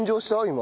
今。